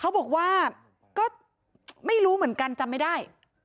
เขาบอกว่าก็ไม่รู้เหมือนกันจำไม่ได้